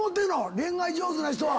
恋愛上手な人は。